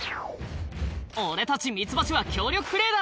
「俺たちミツバチは協力プレーだ！」